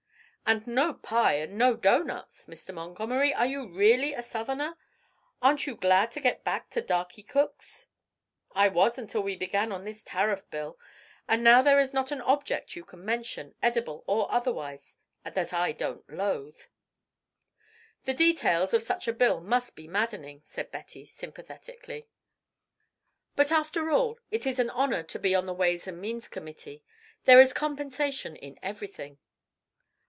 "And no pie and no doughnuts. Mr. Montgomery, you are really a Southerner ar'n't you glad to get back to darky cooks?" "I was until we began on this tariff bill, and now there is not an object you can mention, edible or otherwise, that I don't loathe." "The details of such a bill must be maddening," said Betty, sympathetically, "but, after all, it is an honour to be on the Ways and Means Committee. There is compensation in everything."